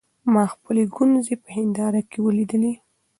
ما خپلې ګونځې په هېنداره کې وليدې.